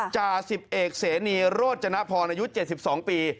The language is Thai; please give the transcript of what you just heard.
จ่าสิบเอกเสนีโรจนพรอายุ๗๒ปี